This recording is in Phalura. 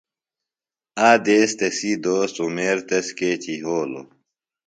آ دیس تسی دوست عُمیر تس کیچیۡ یھولوۡ.